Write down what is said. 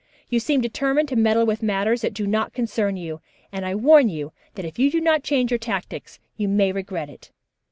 You seem determined to meddle with matters that do not concern you, and I warn you that if you do not change your tactics you may regret it.